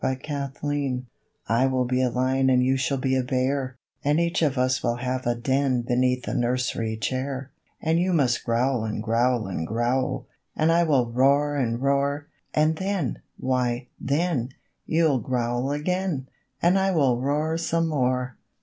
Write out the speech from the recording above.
WILD BEASTS I will be a lion And you shall be a bear, And each of us will have a den Beneath a nursery chair; And you must growl and growl and growl, And I will roar and roar, And then why, then you'll growl again, And I will roar some more!